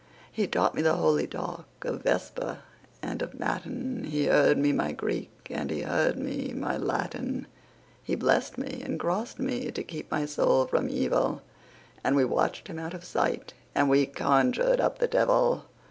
He taught me the holy talk of Vesper and of Matin, He heard me my Greek and he heard me my Latin, He blessed me and crossed me to keep my soul from evil, And we watched him out of sight, and we conjured up the devil!